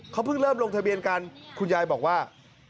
เขาเพิ่งเริ่มลงทะเบียนกันคุณยายบอกว่า